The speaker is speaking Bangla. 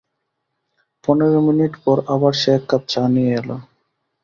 পনের মিনিট পর আবার সে এক কাপ চা নিয়ে এল।